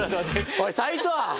おい齋藤！